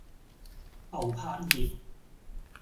牛柏葉